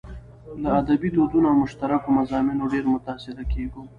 له ادبي دودونو او مشترکو مضامينو ډېر متاثره کېږو.